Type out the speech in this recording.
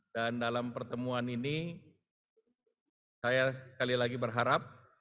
dan dalam pertemuan ini saya sekali lagi berharap